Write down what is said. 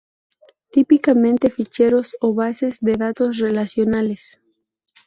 Típicamente ficheros o bases de datos relacionales.